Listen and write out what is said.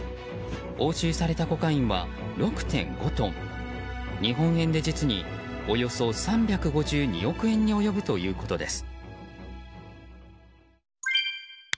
押収されたコカインは６．５トン日本円で実におよそ３５２億円に及ぶということです。